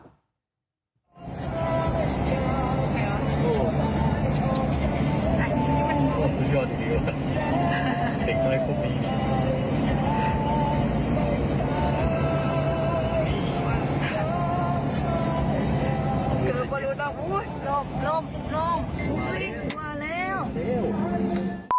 สุดยอดจริงว่ะ